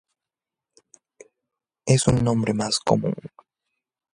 Es un nombre más común".